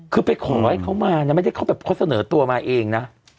คือไปขอให้เขามานะไม่ได้เขาแบบเขาเสนอตัวมาเองนะ